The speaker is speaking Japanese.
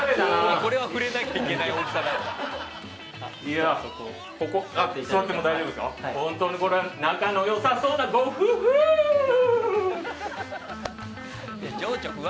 これは振れなきゃいけない大きさだわ。